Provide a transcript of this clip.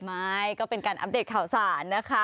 ไม่ก็เป็นการอัปเดตข่าวสารนะคะ